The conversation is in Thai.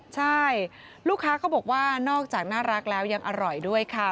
ใช่ลูกค้าเขาบอกว่านอกจากน่ารักแล้วยังอร่อยด้วยค่ะ